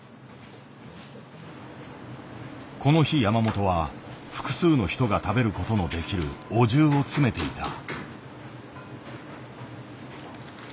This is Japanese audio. この日山本は複数の人が食べることのできる「お重」を詰めていた。